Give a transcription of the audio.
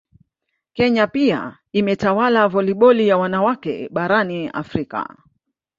Kenya pia imetawala voliboli ya wanawake barani Afrika